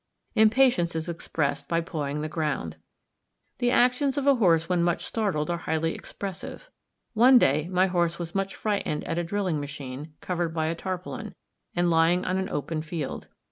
Impatience is expressed by pawing the ground. The actions of a horse when much startled are highly expressive. One day my horse was much frightened at a drilling machine, covered by a tarpaulin, and lying on an open field.